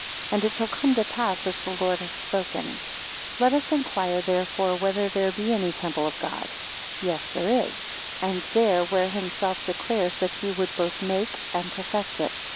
And it is come to pass, as the Lord hath spoken. 16 Let us inquire therefore, whether there be any temple of God? Yes there is: and there where himself declares that he would both make and perfect it.